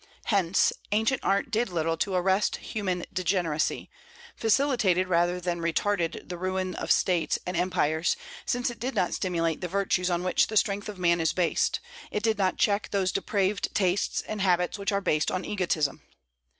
Hence ancient art did very little to arrest human degeneracy; facilitated rather than retarded the ruin of states and empires, since it did not stimulate the virtues on which the strength of man is based: it did not check those depraved tastes and habits which are based on egotism.